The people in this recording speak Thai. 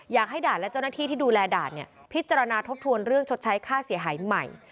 อยากให้ด่านและเจ้าหน้าที่ที่ดูแลด่านพิจารณาทบทวนเรื่องชดใช้ค่าเสียหายใหม่